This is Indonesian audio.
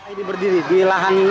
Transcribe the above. ini berdiri di lahan